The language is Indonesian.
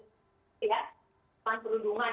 salahkan juga pernah juga